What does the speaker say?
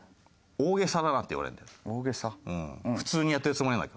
大げさ？